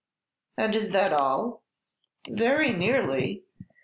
"And is that all?" "Very nearly.